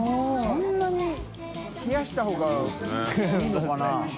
そんなに冷やした方がいいのかな？